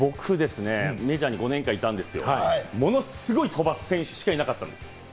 僕はメジャーに５年間いたんですよ、ものすごい飛ばす選手しかいなかったんです。